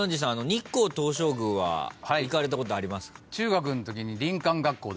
日光東照宮は行かれたことあります？